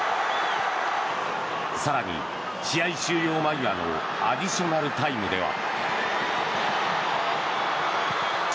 更に、試合終了間際のアディショナルタイムでは。